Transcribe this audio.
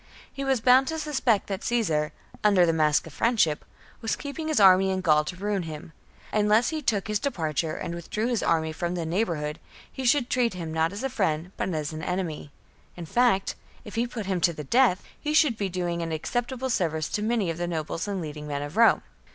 He was bound to suspect that Caesar, under the mask of friendship, was keeping his army in Gaul to ruin him. Unless he took his departure and withdrew his army from the neighbourhood, he should treat him not as a friend but as an enemy ; in fact, if he put him to death, he should be doing an acceptable service to many of the nobles and leading men of Rome.